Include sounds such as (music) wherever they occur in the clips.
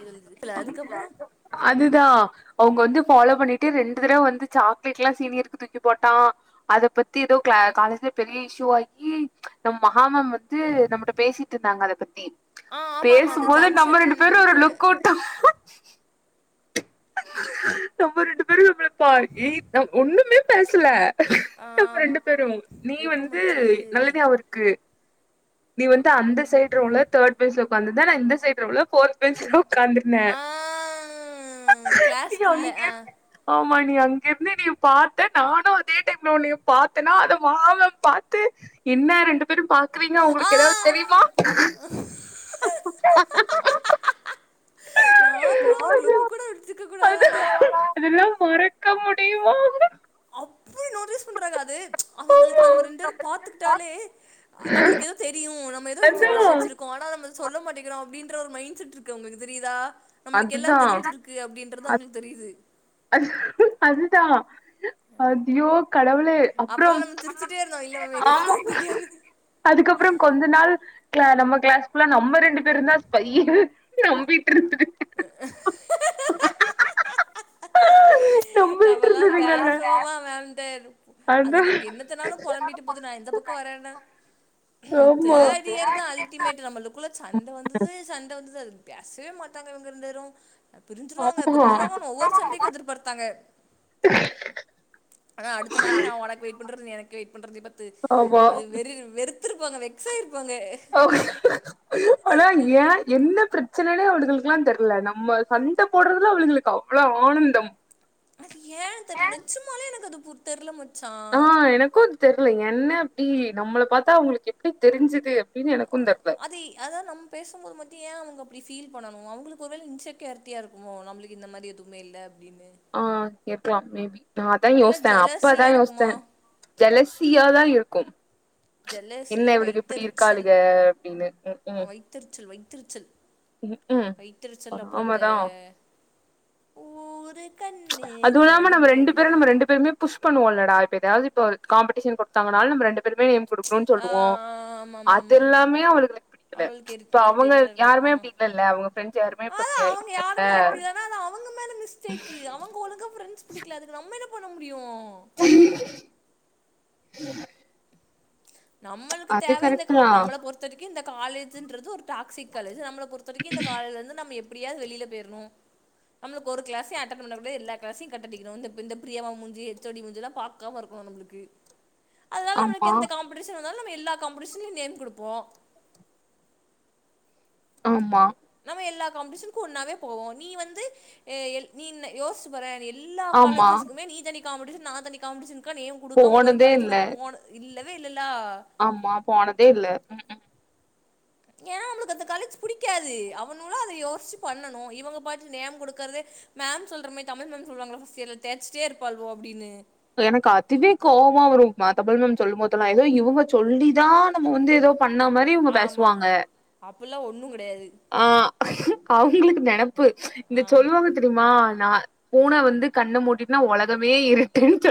இது இதுல அதுக்கப்புறோ அதுதா அவங்க வந்து பாலோ பண்ணிட்டு ரெண்டு தடவ வந்து சாக்லேட் எல்லா சீனியருக்கு தூக்கி போட்டா அத பத்தி ஏதோ காலேஜ்ல பெரிய இஷ்யூ ஆக்கி நம் மகா மேம் வந்து நமட்ட பேசிட்டு இருந்தாங்க அத பத்தி ஆ ஆமா ஆமா அந்த பேசும்போதே நம்ம ரெண்டு பேரும் ஒரு ஜங்ஷன்ல லுக் உட்டோ நம்ம ரெண்டு பேரும் நம்மல பா ஏய் ஒண்ணுமே பேசல நம்ம ஆம் ரெண்டு பேரும் நீ எப்போ வந்து மச்சா இது நல்ல நியாபம் இருக்கு நீ வந்து அந்த சைடு ரோல தேர்டு பெஞ்ச்ல உக்காந்திருந்த நா இந்த சைடு ரோல போர்த் பெஞ்ல உக்காந்துருந்தே ஆ நீ கிளாஸ்க்குள்ள ஆ அங்கியேருந்த ஆமா நீ அங்கிருந்து என்னய பாத்த நானு அதே டைம்ல உன்னய பாத்தனா அத மகா மேம் பாத்து என்ன ரெண்டு பேரும் பாக்குறீங்க ஆ உங்களுக்கு ஏதாவது தெரியுமா நார்மலா ஒரு லுக்கு சிக்க அது கூடாதாடா அதெல்லா மறக்க முடியுமா அப்பே நோட்டீஸ் பண்றாங்க அது அவுங்களுக்கு ஆமா நம்ம ரெண்டு வேரு பாத்துக்கிட்டாலே நம்மளுக்கு ஏதோ தெரியு நம்ம ஏதோ அதா இன்பர்மேஷன் வச்சிர் கோ ஆனா நம்ம சொல்ல மாட்டேங்றோ அப்டின்ற ஒரு மைண் செட் இருக்கு அவுங்களுக்கு தெரியிதா நம்ளுக்கு எல்லா அதுதா தெரிஞ்சிருக் கு அப்டின்றது அ அவுங்களுக்கு தெரியிது அதுதா அத்யோ கடவுள அப்றோ அப்பெல்லா நம்ம சிரிச்சுட்டே இருந்தோ இல்ல மேம் ஆ எங்களுக்கு எதுவு தெரியாது அதுக்கப்பறம் கொஞ்ச நாள் ல நம்ம கிளாஸ் ஃபுல்லா நம்ம ரெண்டு பேரு தா ஸ்ஃபை நம்பிட்டு இருந்தது (inaudible) நம்பிட்டு நம்மல்லா இருந்ததுங்கல்ல பேசுவோமா மேம்ட்ட அதா அதுக்கு அவுங்க என்னத்தனாலு புழம்பிட்டு போகுது நா எந்த பக்கோ வரேனா ஆமா தேர்ட் இயர் தா அல்டிமேட் நம்மளுக்குள்ள சண்ட வந்தது சண்ட வந்தது அது பேசவே மாட்டாங்க இவங்க ரெண்டு பேரு பிரஞ்சுரு வாங்க ஆமா பிரிஞ்சுரு வாங்கனு ஒவ்வொரு சண்டைக்கு எதிர்பார்த்தாங்க அதா அடுத்த நாளே நா உனக்கு வெயிட் பண்றது எனக்கு வெயிட் பண்றதயு பாத்து ஆமா வெறு வெறுத் துருப்பாங்க வெக்ஸ் ஆயிருப்பாங்க ஆனா ஏ என்ன பிரச் சனனே அவளுகளுக்கெல்லா தெர்ல நம்ம சண்ட போடறதுல அவளுகளுக்கு அவ்ளோ ஆனந்தம் அது ஏ தெர்ல நெஜ்மாலே எனக்கு அது பு தெர்ல மச்சா எனக்குத் தெர்ல என்ன அப்டி நம்மள பாத்தா அவுங்களுக்கு எப்டி தெரிஞ்சுது அப்டின்னு எனக்கு தெர்ல அதி அதுதா நம் பேசும்போது மட்டு ஏ அவுங்க அப்டி ஃபீல் பண்ணணு அவுங்களுக்கு ஒருவேள இன்செக்யாரிட்டிய இருக்குமோ நம்ளுக்கு இந்த மாரி எதுமே இல்ல (inaudible) ஆ இருக்லா மேபி நா அதா இல்ல யோஸ்த அப்ப ஜெலசியா அதா இருக்குமா யோஸ்த ஜலசியாதா இருக்கு என்ன ஜெலசி இவளுக இப்டி வைத்தெரிச்சல் இருக்களுக அப்டினு ஆ ம் வைத்தெரிச்சல் வைத்தெரிச்சல் ம் ம் ம் வைத்தெரிச்சல் அப்ற இந்த பொறாமதா ஊரித் அதுவு இல்லாம நம்ம ரெண்டு பேரும் நம்ம ரெண்டு பேருமே புஷ் பண்ணுவோலடா இப்ப ஏதாவது காம்படிஷன் கொடுத்தாங்கனால் நம்ம ரெண்டு பேருமே கொடுக்கணுனு ஆ சொல்லுவோ அது ஆமாமாமா எல்லாமே அவளுக் அவளுக்கு இரி (unintelligible) அவுங்க இரிட்டேட்டடா இருக்கு யாருமே ஆ அப்டி இல்லல்ல அவுங்க ஃப்ரெண்ட்ஸ் யாருமே இப்ப அதா இப்டி அவங்க இல்லல்ல யாருமே அப்டி தானா அது அவங்க மேல மிஸ்டேக்கு அவுங்க ஒழுக ஃப்ரண்ட்ஸ் புடிக்கல அதுக்கு நம்ம என்ன பண்ண முடியு உ நம்ளுக்கு தேவ இந்த கா கரெக்ட்தா நம்மள பொறுத்தரைக்கு இந்த காலேஜ்ன்றது ஒரு டாக்சிக் காலேஜ் நம்மள பொறுத்த வரைக்கு இந்த காலைலருந்து நம்ம எப்டியாது வெளில போய்ருனு நம்ளுக்கு ஒரு கிளாஸ் அட்டன் பண்றது கூட இல்ல எல்லா கிளாஸையு கட் அடிக்கனு இந்த பிரியா மேம் மூஞ்சி எச் ஓ டி மூஞ்சி பாக் (unintelligible) இருக்கு நம்ளுக்கு அதனால நம்ளுக்கு ஆமா எந்த காம்படிஷன் வந்தாலு எல்லா காம்படிஷன்ளையு நேம் குடுப்போ ஆமா நம்ம எல்லா காம்படிஷனுக்கு ஒன்னாவே போவோ நீ வந்து எல் நீனெக் யோசிச்சு பாரே எல்லா ஆமா காலேஜ்ஜஸ்குமே நீ தனி காம்படிஷன் நா தனி காம்படிஷனுக்கு நேம் கொடுக்காம ஒரு போனதே காலேஜ் இல்ல நம் போன இல்லவே இல்லல்ல ஆமா போனதே இல்ல ஏன் அவளுக்கு அந்த கலேஜ் புடிக்காது அவனுள்ள அத யோசிச்சு பண்ணணு இவங்க பாட்டுக்கு நேம் குடுக்கறது மேம் சொல்ற மாரி தமிழ் மேம் சொல்லுவாங்கல்ல ஃபர்ஸ்ட் இயர்ல தேச்சுட்டே இருப்பாள்வோ அப்டின்னு எனக்கு அதுவே கோவமா வரு தமிழ் மேம் சொல்லும்போதெல்லா ஏதோ இவங்க சொல்லிதா நம்ம வந்து ஏதோ பண்ண மாரி இவுங்க ஆமாம் பேசுவாங்க அப்படிலாம் ஒன்றும் கிடையாது ஆ அவுங்களுக்கு நெனப்பு இந்த ஆமாம் சொல்வாங்க தெரிமா நா பூன வந்து கண்ண மூடிட்டுனா உலகமே இரு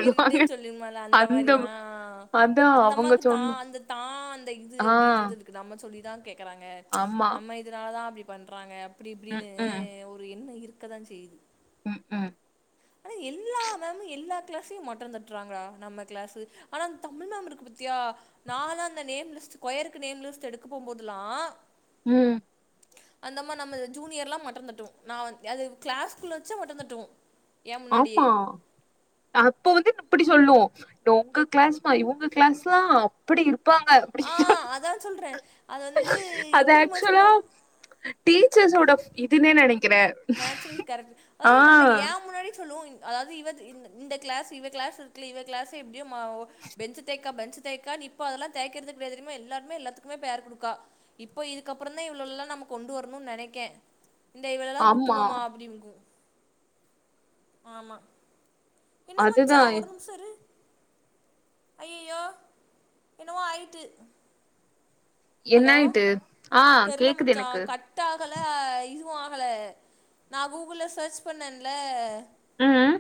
இருட்ன்னு சொல்லிருமால அந்த மாரியா அதா அந்த அவங்க அம்மாக்கு தா சொன்ன அந்த தா அந்த இது ஆ அப்டின்றது க்கு நம்ம சொல்லிதா கேக்கறாங்க ஆமா நம்ம இதனால தா அப்படி பண்றாங்க அப்படி ம் இப்படின்னு ம் ஒரு எண்ணோ இருக்க தா செய்யுது ம் ஹும் ஆனா எல்லா மேமு எல்லா கிளாசையு மட்டோத்தட்றாங்கடா நம்ம கிளாசு ஆனா தமிழ் மேமு இருக்கு பத்தியா நாலா அந்த நேம் லிஸ்ட்டு பேருக்கு நேம் லிஸ்ட்டு எடுக்க போம்போதுலா ம் அந்த அம்மா நம்ம ஜூனியர்லா மட்டோதட்டு நா வந் அது கிளாஸ்க்குள்ள வெச்ச மட்டந்தட்டு ஆமா அப்ப வந்து இப்படி சொல்லு உங்க கிளாஸ்மா இவுங்க கிளாஸ் தா எப்படி இருப்பாங்க அப்படி ஆ அதா சொல்றே அது வந்து அது எப்டி தெரியுமா ஆக்சுவலா சொல்லு டீச்சஸோட இதுன்னே நெனைக்கிறே நேச்சுரல் கேரக்டர் அத ஆ சொல்றன ஏ முன்னாடி சொல்லு அதாவது இவ இந்த கிளாஸ் இவ கிளாஸ் இருக்குல்ல இவ கிளாஸ் இப்படியுமா பெஞ்சு தேக்க பெஞ்சு தேக்கா இப்ப அதெல்லா தேய்க்கிறது கெடையாது தெரியுமா எல்லாருமே எல்லாத்துக்குமே பேர் குடுக்கா இப்போ இதுக்க அப்புறோ தா இவ்ளோலா நம்ம கொண்டு வரணுன்னு நெனைக்கே இந்த இவ்ளேல்லா கூட் ஆமா முடிவுங்கு ஆமா என்ன மச்சா அதுதான் ஒரு நிமிஷோ இரு ஐயையோ என்னவோ ஆயிட்டு என்ன ஹலோ ஆயிட்டு ஆ தெர்ல கேக்குது மச்சா எனக்கு கட் டாகல இதுவு ஆகல நா கூகுள்ல சர்ச் பண்ணல்ல ம்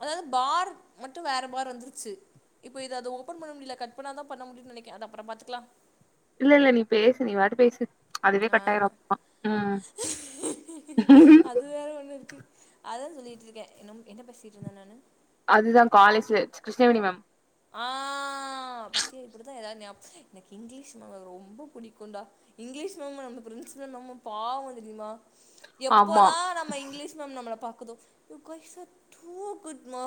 அதாவது பார்ட் மட்டு வேற பார் வந்துருச்சு இப்ப இத அது ஓப்பன் பண்ண முடில கட் பண்ணாதா பண்ண முடியு நெனைக்க அத அப்றோ பாத்துக்லா இல்லேல்ல நீ பேசு நீ பாட்டு பேசு அதுவே கட்டாயிரு ஆமாம் அப்னா ம் இதுவேற ஒன்னுருக்கு அததா சொல்லிட்ருக்கே என்னமோ என்ன பேசிட்ருந்த நானு அதுதா காலேஜி கிருஷ்ணவேனி மேம் ஆ பாத்தியா இப்புடிதா எதாது நியாப் எனக்கு இங்லீஷ் மேம் ரொம்ப புடிக்குன்டா இங்லீஷ் மேம் நம்ம பிரின்சிபல் மேமு பாவோ தெரியுமா ஆமா எப்போலா நம்ம இங்லீஷ் மேம் நம்ள பா க்குதோ you guys are too good மா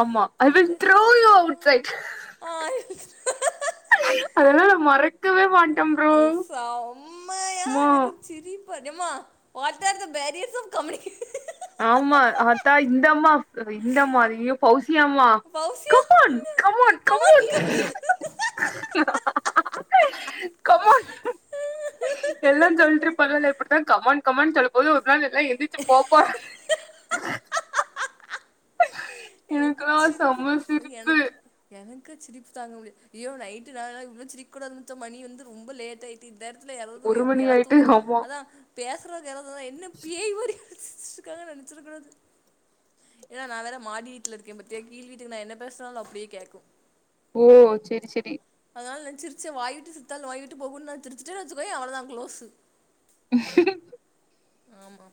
ஆமா ஐ வில் அந்த throw slang you out ma'am side ஆ அதெல்லா நா மறக் செம்மையா அம்மா இருக் சிரிப்பு அதியமா what are the barriers of communication ஆம்மா அத்தா இந்தம்மாக் இந்தம்மா அய்யயோ பௌசியம்மா பௌசியம் கமான் கமான் கமான் கமான் எல்லாஞ் சொல்ட்ருப்பாங்கல்ல இப்புடித்தா கமான் கமான் சொல்ல போது ஒரு நாள் எல்லா எந்திரிச்சி போ எனக்கு எனக்குலா சிரிப்பு செம்ம சிரிப்பு எனக்கு எனக்கு சிரிப்பு தாங்க முடி ஐயோ நைட்டு நாளா இவ்ளு சிரிக் கூடாதுன் நெனச்சா மணி வந்து ரொம்ப லேட்டாயி இந்த எடத்துல யாராவது ஒரு எ மணி யாராவது ஆயிட்டு தூங்கிட்டு ஆமா அதா பேசுறக் யாராவது வந்தா என்ன பேய் மாரி இருக்காங்கன் நெனச்சுர கூடாது ஏனா நா வேற மாடி ல இருக்கே பாத்தியா கீழ் வீட்டுக்கு நா என்ன பேஸ்னாலு அப்டியே கேக்கு ஓ சரி சரி அதுனால நா சிருச்சா வாய் விட்டு சிரித்தால் நோய் விட்டு போகுன் நா சிருச்சுட்டேன் வச்சுக்கோயே அவ்ளோதா க்ளோசு ஆமா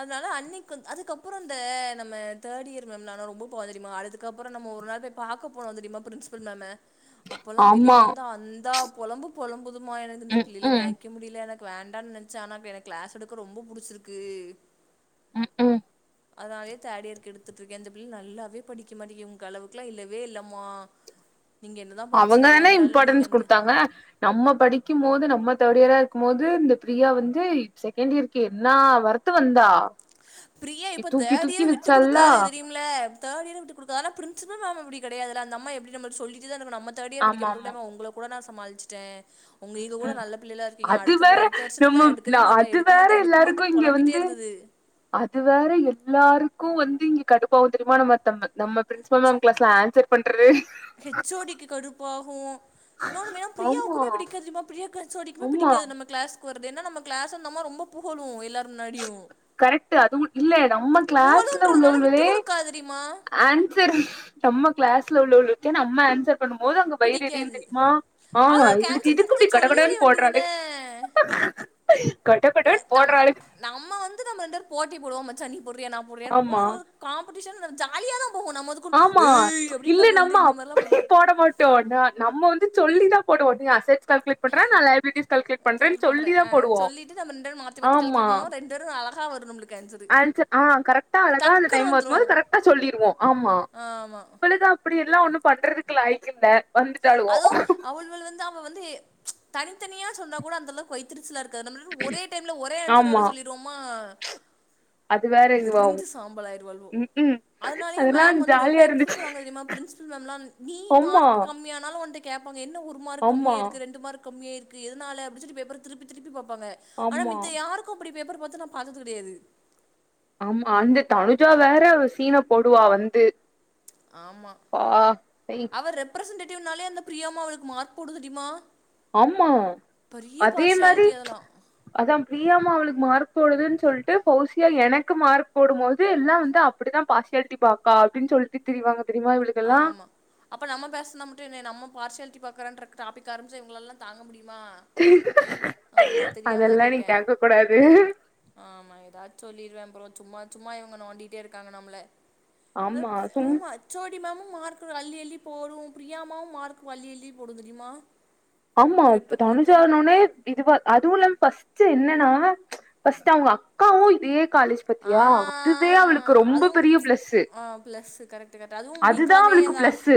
அதுனால அன்னைக் கொஞ் அதுக்கப்பறோ இந்த நம்ம தேர்ட் இயர் மேமு நானு ரொம்ப (unintelligible) தெரியுமா அதுக்கப்பறோ நம்ம ஒரு நாது பாக்க போனோ தெரியுமா பிரின்சிபல் மேம்ம அப்பல்லா ஆமா வெளில வந்து அந்தா பொலம்பு பொலம்புதுமா எனக்கு இந்த ம் பிள்ளகள ம் மேக் க முடில எனக்கு வேண்டான் நென்ச்சே ஆனா எனக்கு கிளாஸ் எடுக்க ரொம்ப புடுச்சுருக்கு ம் ம் அதுனாலயே தேர்ட் இயர்க்கு எடுத்துட்ருக்கே இந்த பிள்ள நல்லாவே படிக்க மாட்டிகு ஒங்க அளவுக்குலா இல்லவே இல்லம்மா நீங்க என்னதான் படிச்சு அவங்கதான விளையாண்டாலும் நீங்க இம்பார்டன்ஸ் வந்து குடுத்தாங்க நம்ம படிக்கும்போது நம்ம தேர்டியரா இருக்கும்போது இந்த பிரியா வந்து செகண்டியருக்கு என்னா வர் த்து வந்தா பிரியா இ- இப்ப தூக்கி தேர்டியர தூக்கி வச்சால்லா விட்டுக்குடுக்காது எதுலியு கும்ல தேர்டியர விட்டுக்குடுக்காது ஆனா பிருன்சுபல் மேம் அப்டி கெடையாதுல அந்தம்மா எப்டி நம்மட்ட சொல்லிட்டுதான இருக்கு நம்ம தேர்டியர் ஆமா படிக்க ஆமா (unintelligible) ஒங்கள கூட நா சமாளுச்சுட்டே உங்க ஈக கூட ம் நல்ல பிள்ளைகலாருக்கீங்க அது அடுத்த பே வேற அடுத்த வருஷத்துக்குதா நம்ம எடுக்கவே நா மாட்டே அது எடுக்க வேற மாட்டே எடுக்க எல்லாருக்கு மாட்டேனு இங்க வந்து பொழம்பிட்டேருந்தது அது வேற எல்லாருக்கு வந்து இங்க கடுப்பாவுந் தெரிமா நம்மத்தம்ப நம்ம பிரின்சபல் மேம் கிளாஸ்ல ஆன்சர் பண்றதே ஹெச் ஓ டிக்கு கடுப்பாகு இன்னோனு வேணா ஆமா பிரியாவுக்குமே பிடிக்காது தெர்மா பிரியாக்கு ஹெச் ஓ டிக்குமே ஆமா பிடிக்காது நம்ம க்ளாஸ் வர்றது ஏன்னா நம்ம கிளாஸ அந்த அம்மா ரொம்ப புகழு எல்லார் முன்னாடியு கரக்ட்டு அதுவு இல்ல நம்ம கிளாஸ்ல புகழுன்றதுனால விட்டு உள்ளவுகளே குடுக்காது தெரியுமா ஆன் சர் நம்ம கிளாஸ்ல உள்ளவுளுக்கே நம்ம ஆன்சர் பண்ணும் போது அங்க வயிறு எரியு பிடிக்காது தெரியுமா ஆ அவளுக்கு இவளுக்கு ஆன்சர் எதுக்கு தெரிஞ்சா இப்டி சொல்லி கடகடனு ஒழிய வேண்டியதான போட்றாலே எ நம் நம்ம வந்து நம்ம ரெண்டு பேரு போட்டி போடுவோ மச்சா நீ போட்றியா நா போட்றியானு இப்ப ஆமா மூனாவதுது காம்படீஷன் வரு ஜாலியாதா போகு நம்மது ஆமா இல்ல நம்ம பண்ண அப்டி மாட்டோ போட மாட் டோ ந நம்ம வந்து சொல்லி தா போடுவோ நீ அஸச் கால்குலேட் பண்றா நா லயாபிலிடிஸ் கால்குலேட் பண்றேனு பண்றே சொல்லி தா ஆ போடுவோ ஆமா தரு அழகா வரு நம்மளுக்கு ஆன்சரு ல்ச்சர் ஆ கரெக்ட்டா அழகா அந்த டைம் வரும்போது கரெக்ட்டா சொல்லிருவோ ஆமா ஆ ஆமா இலுதா அப்பிடியெல்லா ஒன்னும் பண்றதுக்கு லாயிக்கில்ல வந்துட்டாலுவோ த்த அவ வந்து தனித்தனியா சொன்னா கூட அந்தளவுக்கு வயித் திருச்சலருக்க நம்ள ஒரே டைம்ல ஒரே ஆன்சர் வேர ஆமா சொல்லிருவோமா அது வேற இதுவாகு எரிஞ்சு சாம்பல் ஆயிருவாலுவோ ம் ம் அதனாலியே அதெல்லா மேம் வந்து ரொம்ப ஜாலியா இருந்துச்சு எக்ஸ்க்கப்படுவாங்க தெரிமா பிரின்ஸ் பில் மேம்லா நீ ஆமா மார்க் கம்மியானாலு ஒன்ட கேப்பாங்க என்ன ஒரு மார்க் ஆமா கம்மியாருக்கு ரெண்டு மார்க் கம்மியாருக்கு எதனால அப்டி சொல்லி பேப்பர திருப்பி திருப்பி பாப்பாங்க ஆனா ஆமா மித்த யாருக் கு அப்டி பேப்பர் பாத்து நா பாத்தது கெடையாது ஆமா அந்த தனுஜா வேற அவ சீனப் போடுவா வந்து ஆம்மா பா ஐ அவ ரெப்ரசென்டேட்டிவ்னாலே அந்த பிரியாமா அவளுக்கு மார்க் போடுதுடிமா ஆம்மா அதே மாரி பார்சியாலிட்டி அதெல்லா அதா பிரியாமா அவளுக்கு மார்க் போடுதுன் சொல்ட்டு பௌசியா எனக்கு மார்க் போடும்போது எல்லா வந்து அப் அப்டிதா பாார்சியாலிட்டி பாக்கா அப்டின் சொல்ட்டு திரிவாங்க தெரிமா இவளுகெல்லா அப்போ நம்ம பேச்னா மட்டு என்னை நம்ம பார்சியாலிட்டி பாக்கரான்ற டாபிக்க ஆரம்பிச்சா இவங்களால்லா தாங்க முடியுமா ஆமா தெரியாம தா அதெல்லா நீ கேட்டே கேட்க கூடாது ஆமா ஏதாச் சொல்லிருவே ப்ரோ சும்மா சும்மா இவுங்க நோண்டிட்டே இருக்காங்க நம்ள ஆமா எக்ச் சும் அம்மாச் ச்சோடி மேமும் மார்க்கு அல்லி அல்லி போடு பிரியாமாவு மார்க்கு அல்லி அல்லி போடு தெரியுமா ஆமா ப்ரெப்புக்கு மட்டும் தனுஜானோனே இதுவா அதுவு இல்லாம பர்ஸ்ட்டு என்னனா பர்ஸ்ட்டு அவுங்க அக்காவு இதே காலேஜ் ஆ பத்தியா அதுவே அவளுக்கு ரொம்ப அதுவும் பெரிய பிளஸ்ஸூ ஆ ப்ளஸ்ஸு கரெக் அதுதா அவளுக்கு பிளஸ்சு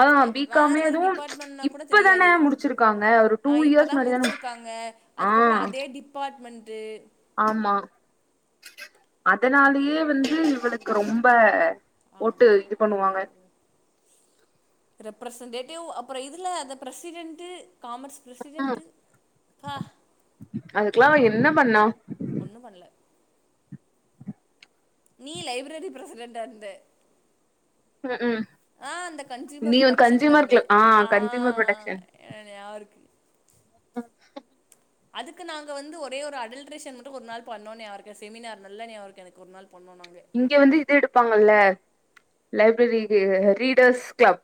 ஆ இல்ல பி வேற காமே வேற எதுவும் டிபார்ட்மெண்ட்னா கூட இப்பதானே தெரியாது முடிச்சிருக்காங்க ஒரு டூ இயர்ஸ் முன்னாடிதானேம் அதுக்கப்ற அதே டிபார்ட்மெண்ட்டு ஆமா அதனாலையே வந்து அப்படிங்கம்போது இவளுக்கு ரொம்ப போட்டு ஆமா இது பண்ணுவாங்க அதவ் ரெப்ரசன்டேட்டிவ் அப்ற இதுல அந்த பிரசிடென்ட்டு காமர்ஸ் பிரசிடெண்ட்டு் கா அதுக்லா அவ என்ன பண்ணா ஒன்னு பண்ல நீ லைப்ரெரி பிரசிடென்டாருந்த ம் ம் ஆ அந்த நீ கன்சியூமர் வந்து ப்ரொடக்க்ஷன்ல கன்சியூமர் இருந்தே ஆ கன்சியூமர் ப்ரொடக்ஷன் என நியாவருக்கு அதுக்கு நாங்க வந்து ஒரே ஒரு அடல்ட்ரேஷன் மட்டு ஒரு நாள் பண்ணோ நியாவருக்கு செமினார் நல்ல நியாவருக்கு எனக்கு ஒரு நாள் பண்ணோ நாங்க இங்க வந்து இது எடுப்பாங்கல்ல லைப்ரெரி இது ரீடர்ஸ் கிளப்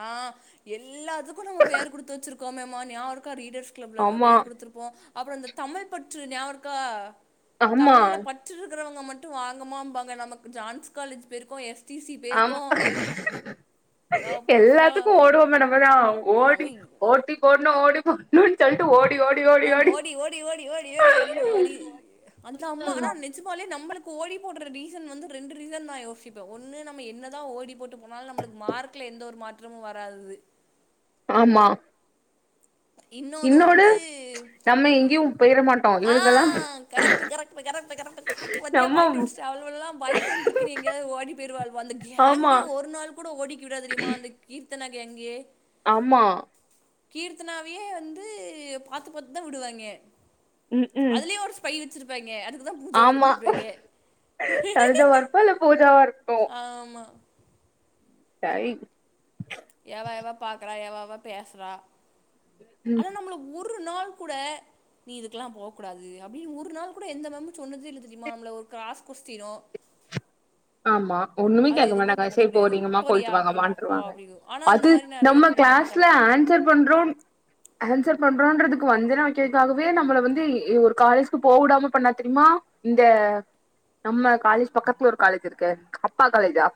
ஆ எல்லாத்துக்கு நம்ம பேர் குடுத்து வச்சிருக்கோமேமா நியாபருக்கா ரீடர்ஸ் கிளப்ல நம்ம ஆமா பேர் குடுத்துரு போ அப்ற இந்த தமிழ் பற்று நியாவருக்கா ஆமா தமிழ்ல பற் ற்று இருக்கிறவங்க மட்டு வாங்கமாம்பாங்க நமக்கு ஜான்ஸ் காலேஜ் பேருக்கு எச் திசி ஆமா பேருக்கோ எப் எல்லாத்துக்கு ஓடுவோம்மே நம்மதா ஓடி நம்ம ஓட்டி போட்னு ஓடி போட்னுன் சொல்ட்டு ஓடி ஓடி மேம் ஓடி ஓடி ஓடி ஓடி ஓடி அப்டினு ஓடி அந்த அம்மா ஆனா நெஞ் நெஜமாலே நம்மளுக்கு ஓடி போடுற ரீசன் வந்து ரெண்டு ரீசன்தா யோசிப்பே ஒன்னு நம்ம என்னதா ஓடி போட்டு போனாலு நம்மளுக்கு மார்க்கில்ல எந்த ஒரு மாற்றமு வராது ஆமா இன்னொன்னு இன்னோனு வந்து நம்ம எங்கேயு போயிட மாட்டோ ஆ இவளுங்கல்லா கரெக்ட் கரெக்ட் கரெக்டு கரெட்டு பாத்தியா நம்ம பாயிண்ட் புடிச்சுட்டே அவளுகல்லா பாய்ஃப்ரெண்ட் இருக்குனு எங்கயாவது ஓடி போயிருவாளுக ஆமா எங்கயே ஒரு நாள் கூட ஓடிக்கி விடாத தெரியுமா அந்த கீர்த்தனா கேங்கே ஆமா கீர்த்தனாவயே வந்து பாத்து பாத்துதா விடுவாங்க ம் பை வச்சுருப்பாய்ங்க அதுக்குதா பூஜா ஆமா அனுப்பிப்பாங்கே தனுஜாவா இருப்பா இல்ல பூஜாவா இருக்கு ஆமா சை எவ எவ பாக்குறா எவவ பேசுறா ஆனா ம் நம்மள ஒரு நாள் கூட நீ இதுக்கல்லா போக்கூடாது அப்படின்னு ஒரு நாள் கூட எந்த மேமு சொன்னதே இல்ல தெரியுமா நம்மள ஒரு கிராஸ் கொஸ்டினோ ஆமா ஒண்ணுமே அது கேட்க எதுவுமே மாட்டாங்க பண்ணது சேரி கிடையாது போறீங்கமா போறியா போயிட்டு போமா போ வாங்கமான்ருவாங்க அப்படிங்கும் ஆனா அந்த அது மாரி நெறைய நம்ம பேருக்கு பண்ண கிளாஸ் மாட்டாங்க ஸ்ல ஆன்சர் பண்றோ ஆன்சர் பண்றோன்றதுக்கு வஞ்சன வைக்கிறதுக்காகவே நம்மள வந்து ஒரு காலேஜ் போவிடாம பண்ணா தெரியுமா இந்த நம்ம காலேஜ் பக்கத்துல இரு காலேஜ் இருக்க அப்பா காலேஜா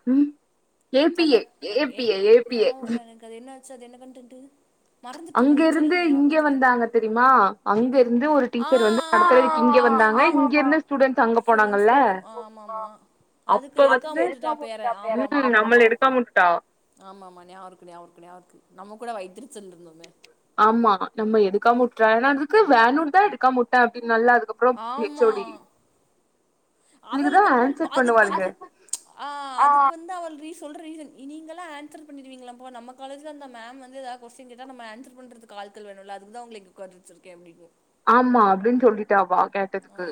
A B A Sadak A B A AB A B A ஞாபகம் இல்ல எனக்கு அது என்ன ஆச்சு அது என்ன கண்ட்டென்ட்டு அங்க இருந்து இங்க வந்தாங்க தெரியுமா அங்க இருந்து ஒரு ஆ டீச்சர் வந்து நடத்தரக்கு இங்க வந்தாங்க ஆமாமா இங்க இருந்து ஸ்டூடெண்ட்ஸ் அங்க ஸ்டூடெண்ட்ஸ் போனாங்கல்ல போடு ஆமாமா அதுக்கு அப்ப வந்துட்டு எடுக்காம விட்டுட்டா பேர ஆமா நம்மள எடுக்காம உட்டுட்டா ஆமா ஆமா ஞாபக இருக்கு ஞாவ இருக்கு ஞாவ இருக்கு நம்ம கூட வைத்தியரிச்சல் இருந்தோமே ஆமா நம்ம எடுக்காம உட்டுடான்னா அதுக்கு வேணுனு தான் எடுக்காம உட்டே அப்டினால்லா அதுக்கு ஆமா இவளுக்குதா அவளுக்கு அப் ஆன்சர் அதுக்கு பண்ணுவாளுங்க வந்து ஆ அதுக்கு வந்து அவள் ரீஸ் சொல்ற ரீசன் நீங்களா ஆன்சர் பண்ணிறுவீங்களாப்பா நம்ம காலேஜ்ல அந்த மேம் வந்து எதா கொஸ்டின் கேட்டா நம்ம ஆன்சர் பண்றது ஆட்கள் வேணுல்ல அதுக்குதா உங்கள இங்க உக்காத்தி வச்சிருக்கே அப்டின் ஆமா அப்டின் சொல்லிட்டா அவா கேட்டதுக்கு ஆ